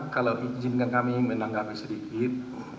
kalau izinkan kami menanggapi sedikit